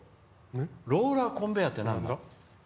ローラーコンベアって何だ。